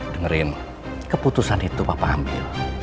dengerin keputusan itu papa ambil